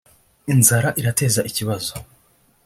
inzara irateza ikibazo